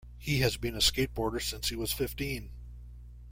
He has been a skateboarder since he was fifteen.